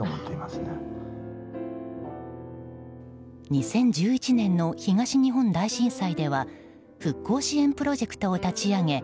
２０１１年の東日本大震災では復興支援プロジェクトを立ち上げ